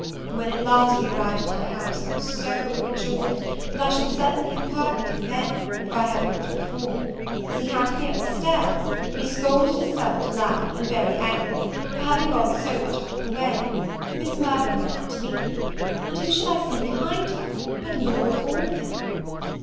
When, at last, we arrived at our house, I was so overjoyed, that I should certainly have pardoned him then, if I had not before. As he handed me up stairs, he scolded his servant aloud, and very angrily, for having gone so much out of the way. Miss Mirvan ran out to meet me; and who should I see behind her, but Lord Orville!